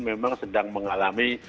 memang sedang mengalami